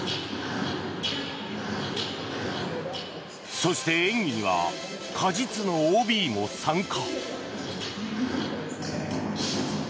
そして、演技には鹿実のＯＢも参加。